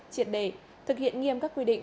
triệt đề thực hiện nghiêm các quy định